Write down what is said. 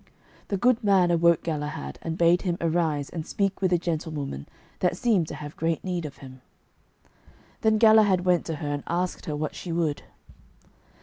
The good man awoke Galahad, and bade him arise and speak with a gentlewoman that seemed to have great need of him. Then Galahad went to her, and asked her what she would.